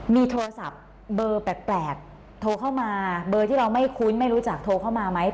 มีโทรศัพท์เบอร์แปลกโทรเข้ามาเบอร์ที่เราไม่คุ้นไม่รู้จักโทรเข้ามาไหม